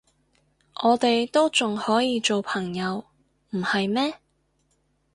我哋都仲可以做朋友，唔係咩？